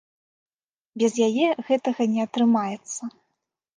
Без яе гэтага не атрымаецца.